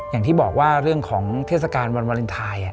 อย่างที่บอกว่าเรื่องของเทศกาลวันวาเลนไทย